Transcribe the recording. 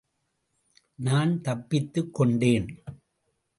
நான் தப்பித்துக் கொண்டேன்.